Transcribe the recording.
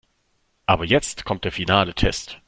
Aber jetzt kommt der finale Test.